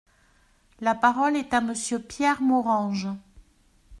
La parole est à Monsieur Pierre Morange.